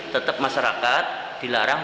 tetap masyarakat dilarang